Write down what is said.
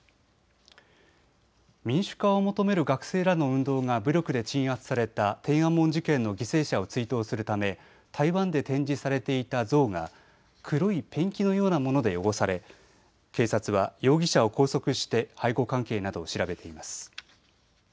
民主化を求める学生らの運動が武力で鎮圧された天安門事件の犠牲者を追悼するため台湾で展示されていた像が黒いペンキのようなもので汚され警察は容疑者を拘束して背後関係などを調べています。